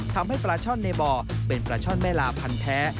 ปลาช่อนในบ่อเป็นปลาช่อนแม่ลาพันธ์แท้